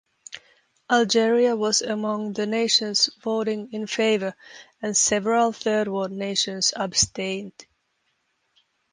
Algeria was among the nations voting in favor, and several Third World nations abstained.